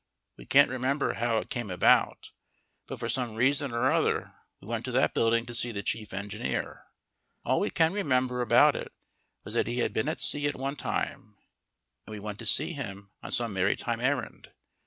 We can't remember how it came about, but for some reason or other we went to that building to see the chief engineer. All we can remember about it was that he had been at sea at one time, and we went to see him on some maritime errand.